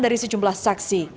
dari sejumlah saksi